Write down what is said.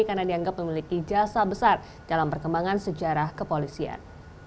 karena dianggap memiliki jasa besar dalam perkembangan sejarah kepolisian